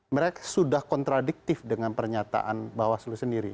mereka sudah kontradiktif dengan pernyataan bawaslu sendiri